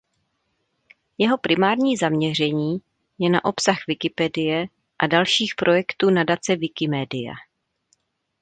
Jeho primární zaměření je na obsah Wikipedie a dalších projektů nadace Wikimedia.